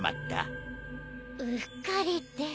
うっかりって。